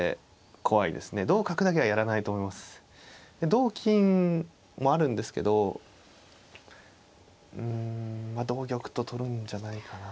同金もあるんですけどうんまあ同玉と取るんじゃないかな。